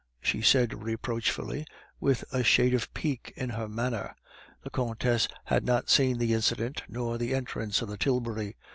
she said reproachfully, with a shade of pique in her manner. The Countess had not seen the incident nor the entrance of the tilbury.